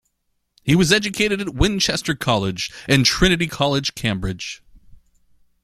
He was educated at Winchester College and Trinity College, Cambridge.